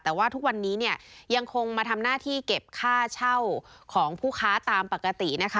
แต่ว่าทุกวันนี้เนี่ยยังคงมาทำหน้าที่เก็บค่าเช่าของผู้ค้าตามปกตินะคะ